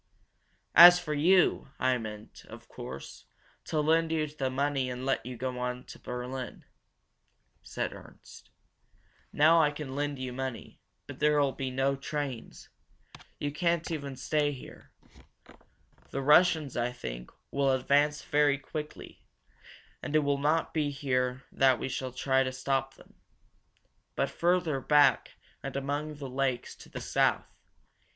"As for you, I meant, of course, to lend you the money and let you go on to Berlin," said Ernst. "Now I can lend you the money, but there will be no trains. You can't stay here. The Russians, I think, will advance very quickly, and it will not be here that we shall try to stop them, but further back and among the lakes to the south.